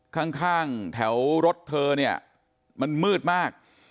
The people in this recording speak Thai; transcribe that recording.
ข้างแถวรถเธอมันมืดมาก